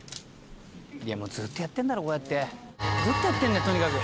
「いやもうずっとやってんだろこうやって」「ずっとやってんだよとにかく。